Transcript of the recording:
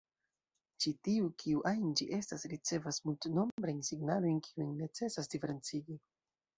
Ĉi tiu, kiu ajn ĝi estas, ricevas multnombrajn signalojn kiujn necesas diferencigi.